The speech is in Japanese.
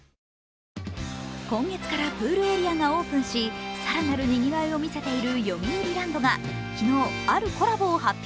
今月からプールエリアがオープンし、更なるにぎわいを見せているよみうりランドが昨日、あるコラボを発表。